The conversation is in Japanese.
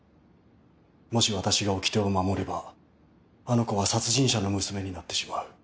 もし私がおきてを守ればあの子は殺人者の娘になってしまう。